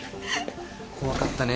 怖かったね。